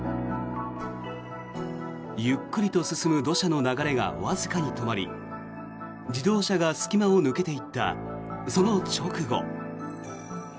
ゆっくりと進む土砂の流れがわずかに止まり自動車が隙間を抜けていったその直後。